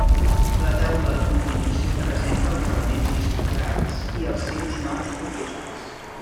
La taula a continuació presenta els elements disputats i els seus noms proposats.